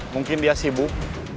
mungkin dia sibuk